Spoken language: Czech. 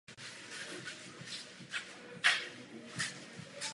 Na konci druhé světové války objekt hostince poškodil dělostřelecký granát.